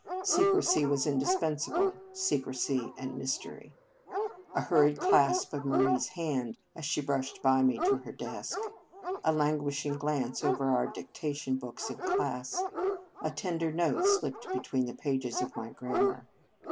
Secrecy was indispensable, secrecy and mystery; a hurried clasp of Marie s hand, as she brushed by me to her desk; a languishing glance over our dictation books in class; a tender note slipped between the pages of my grammar.